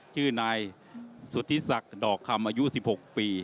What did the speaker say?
ชื่อนายสุธิศักดิ์ดอกคำอายุ๑๖ปี